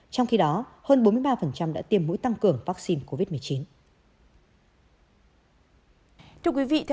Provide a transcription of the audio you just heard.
trong khi đó hơn bốn mươi ba đã tiêm mũi tăng cường vaccine covid một mươi chín